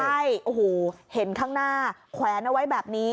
ใช่โอ้โหเห็นข้างหน้าแขวนเอาไว้แบบนี้